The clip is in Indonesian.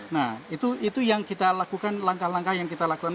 nah itu yang kita lakukan langkah langkah yang kita lakukan